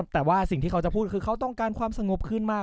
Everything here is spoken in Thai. แต่ว่าสิ่งที่เขาจะพูดคือเขาต้องการความสงบขึ้นมาก